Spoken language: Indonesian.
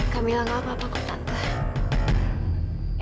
kamila gak apa apa kok takut